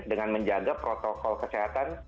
dengan menjaga protokol kesehatan